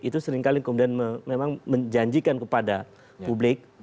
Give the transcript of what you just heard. itu seringkali kemudian memang menjanjikan kepada publik